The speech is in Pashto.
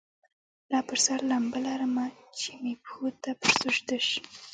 لا پر سر لمبه لرمه چي مي پښو ته پر سجده سي